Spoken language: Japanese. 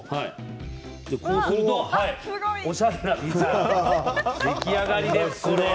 こうするとおしゃれなビーサン出来上がりです。